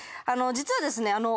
実はですね